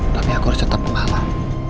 tapi aku harus tetap menghalang